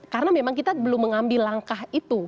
karena memang kita belum mengambil langkah itu